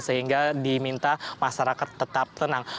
sehingga diminta masyarakat tetap tenang